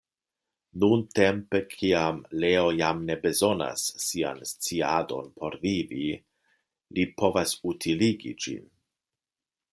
Nuntempe, kiam Leo jam ne bezonas sian sciadon por vivi, li povas utiligi ĝin.